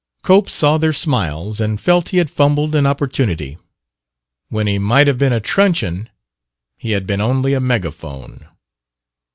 Cope saw their smiles and felt that he had fumbled an opportunity: when he might have been a truncheon, he had been only a megaphone.